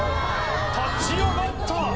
立ち上がった。